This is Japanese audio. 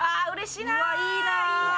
いいなあ！